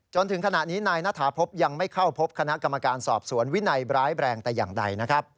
จนถึงขณะนี้นายณฐาพบยังไม่เข้าพบคณะกรรมการสอบสวนวินัยร้ายแรงแต่อย่างใดนะครับ